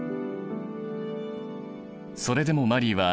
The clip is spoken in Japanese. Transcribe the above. それでもマリーは